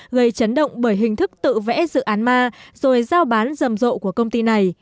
gây chấn động bởi hình thức tự vẽ dự án ma rồi giao bán rầm rộ của công ty này